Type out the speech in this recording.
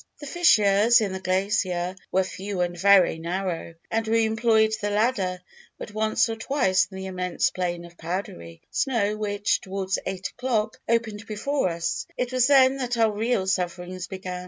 The fissures in the glacier were few and very narrow, and we employed the ladder but once or twice in the immense plain of powdery snow which, towards eight o'clock, opened before us. It was then that our real sufferings began.